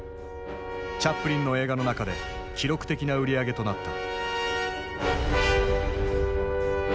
チャップリンの映画の中で記録的な売り上げとなった。